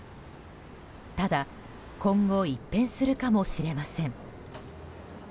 ただ、今後一変するかもしれません。